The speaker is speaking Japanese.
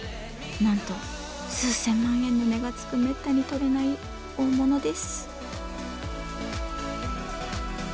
なんと数千万円の値がつくめったにとれない大物です。